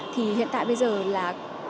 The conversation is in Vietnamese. thì hiện tại bây giờ là